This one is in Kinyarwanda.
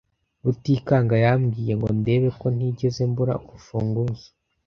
Rutikanga yambwiye ngo ndebe ko ntigeze mbura urufunguzo.